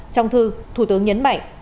trong thư thủ tướng nhấn mạnh